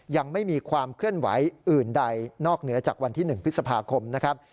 ยังไม่มีความเคลื่อนไหวอื่นใดนอกเหนือจากวันที่๑พฤษภาคมนะครับ